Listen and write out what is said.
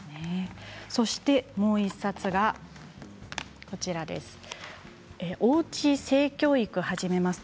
そしてもう１冊が「おうち性教育はじめます」。